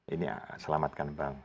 ini selamatkan bank